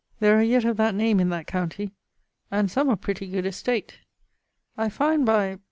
There are yet of that name in that countie, and some of pretty good estate. I find by